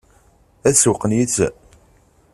Ad sewweqen yid-sen?